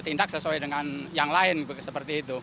tindak sesuai dengan yang lain seperti itu